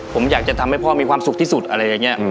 ผมอยากจะทำให้พ่อมีความสุขที่สุดอะไรอย่างนี้